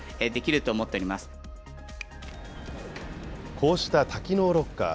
こうした多機能ロッカー。